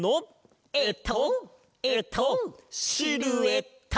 えっとえっとシルエット！